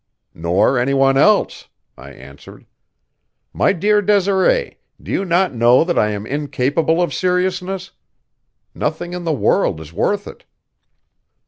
"Nor any one else," I answered. "My dear Desiree, do you not know that I am incapable of seriousness? Nothing in the world is worth it."